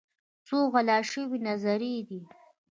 څو غلا شوي نظريې دي